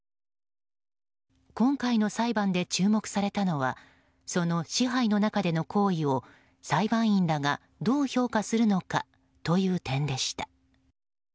今回の裁判で注目されたのはその支配の中での行為を裁判員らがどう評価するのかという点でした。